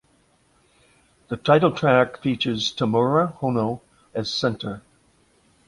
The title track features Tamura Hono as center.